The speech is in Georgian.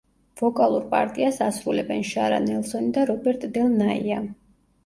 ვოკალურ პარტიას ასრულებენ შარა ნელსონი და რობერტ დელ ნაია.